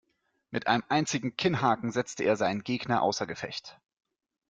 Mit einem einzigen Kinnhaken setzte er seinen Gegner außer Gefecht.